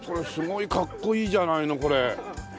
すごいかっこいいじゃないのこれ。